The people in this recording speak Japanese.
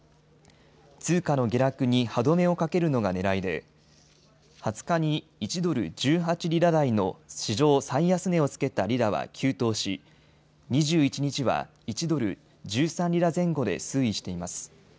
通貨の下落に歯止めをかけるのがねらいで２０日に１ドル１８リラ台の史上最安値をつけたリラは急騰し２１日は１ドル１３リラ前後で推移しています。